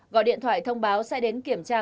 gọi điện thoại thông báo sẽ đến kiểm tra